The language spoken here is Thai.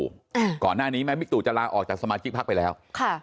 มิกตุก่อนหน้านี้จะลาออกจากสมาชิกภาคไปแล้ว